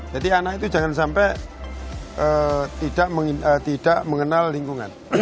jadi anak itu jangan sampai tidak mengenal lingkungan